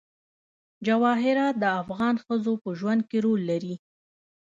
جواهرات د افغان ښځو په ژوند کې رول لري.